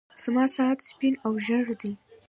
زما ساعت سپين او ژړ دی.